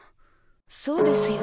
そうですよね。